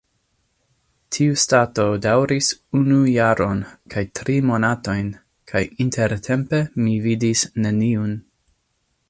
Tiustato daŭris unu jaron kaj tri monatojn, kaj intertempe mi vidis neniun.